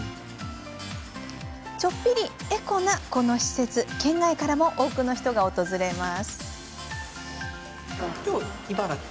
ちょっぴりエコなこの施設県外からも多くの人が訪れます。